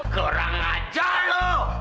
kurang ajar lo